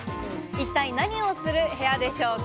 一体何をする部屋でしょうか？